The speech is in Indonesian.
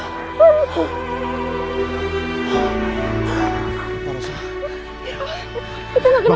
kita gak kena